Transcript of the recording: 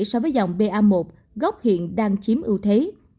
so với dòng ba một gốc hiện đang chiếm ưu thế